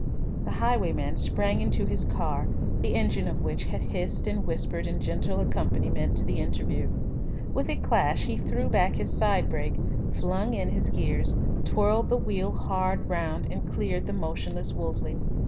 The highwayman sprang into his car, the engine of which had hissed and whispered in gentle accompaniment to the interview. With a clash he threw back his side brake, flung in his gears, twirled the wheel hard round, and cleared the motionless Wolseley.